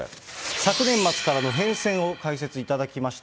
昨年末からの変遷を解説いただきました。